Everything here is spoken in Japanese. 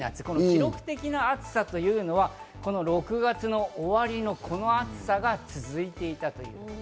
記録的な暑さというのは６月の終わりの、この暑さが続いていたと。